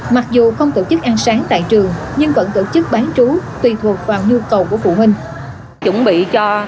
mặc dù không tổ chức ăn sáng tại trường nhưng vẫn tổ chức bán trú tùy thuộc vào nhu cầu của phụ huynh